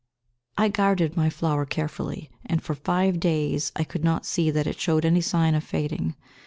I guarded my flower carefully, and, for five days, I could not see that it showed any sign of fading.